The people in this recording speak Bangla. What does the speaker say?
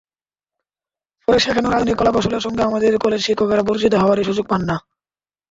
ফলে শেখানোর আধুনিক কলাকৌশলের সঙ্গে আমাদের কলেজশিক্ষকেরা পরিচিত হওয়ারই সুযোগ পান না।